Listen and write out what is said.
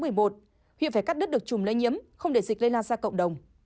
huyện phải cắt đứt được chùm lây nhiễm không để dịch lây lan ra cộng đồng